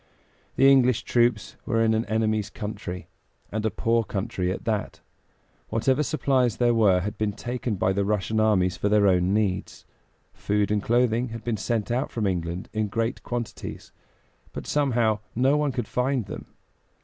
The English troops were in an enemy's country, and a poor country at that; whatever supplies there were had been taken by the Russian armies for their own needs. Food and clothing had been sent out from England in great quantities, but somehow, no one could find them.